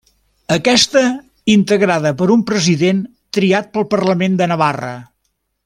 Aquesta integrada per un president triat pel Parlament de Navarra.